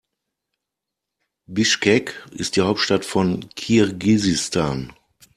Bischkek ist die Hauptstadt von Kirgisistan.